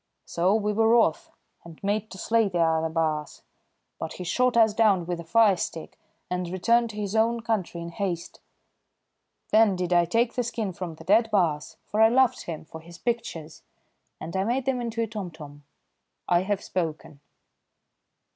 So we were wroth and made to slay the other baas, but he shot us down with a fire stick and returned to his own country in haste. Then did I take the skin from the dead baas, for I loved him for his pictures, and I made them into a tomtom. I have spoken."